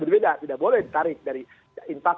berbeda tidak boleh ditarik dari intas